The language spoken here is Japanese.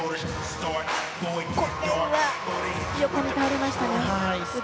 これは横に倒れましたね。